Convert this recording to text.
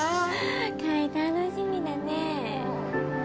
海楽しみだねえ